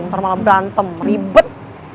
ntar malah berantem ribet